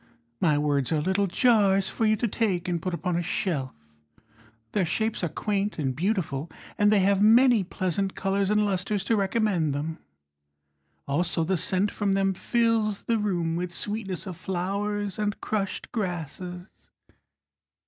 My words are little jars For you to take and put upon a shelf. Their shapes are quaint and beautiful, And they have many pleasant colours and lustres To recommend them. Also the scent from them fills the room With sweetness of flowers and crushed grasses.